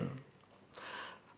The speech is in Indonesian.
dan wakil presiden